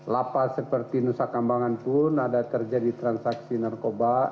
lapas seperti nusa kambangan pun ada terjadi transaksi narkoba